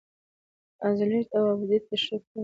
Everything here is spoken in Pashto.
ازليت او ابديت تشريح کوي